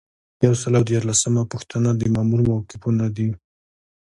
یو سل او دیارلسمه پوښتنه د مامور موقفونه دي.